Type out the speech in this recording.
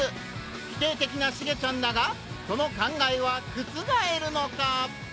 否定的なシゲちゃんだがその考えは覆るのか？